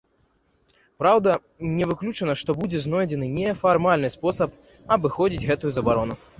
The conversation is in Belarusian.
Праўда, не выключана, што будзе знойдзены нефармальны спосаб абыходзіць гэтую забарону.